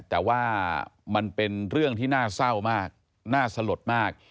แต่ว่ามันเป็นเรื่องที่น่าเศร้ามากน่าสลดมาก